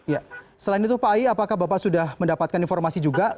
ya selain itu pak ai apakah bapak sudah mendapatkan informasi juga